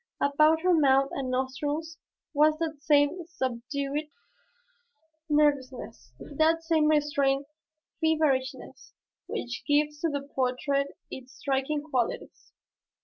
About her mouth and nostrils was that same subdued nervousness, that same restrained feverishness which gives to the portrait its striking qualities.